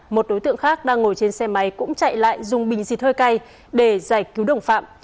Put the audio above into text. một đối tượng khác đang ngồi trên xe máy cũng chạy lại dùng bình xịt hơi cay để giải cứu đồng phạm